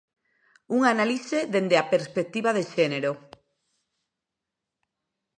Unha análise dende a perspectiva de xénero.